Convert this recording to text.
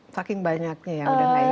saking banyaknya ya